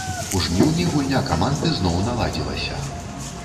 У жніўні гульня каманды зноў наладзілася.